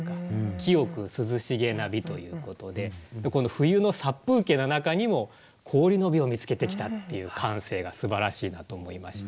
清く涼しげな美ということで冬の殺風景な中にも氷の美を見つけてきたっていう感性がすばらしいなと思いまして。